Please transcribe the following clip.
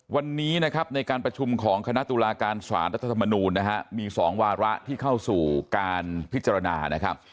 วันนี้นะครับในการประชุมของคณะตุลาการสารรัฐธรรมนูลนะฮะมี๒วาระที่เข้าสู่การพิจารณานะครับ